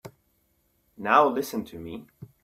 Now listen to me.